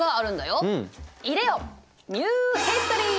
いでよニューヒストリー！